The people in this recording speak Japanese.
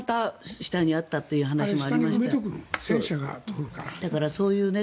下にあったという話もありました。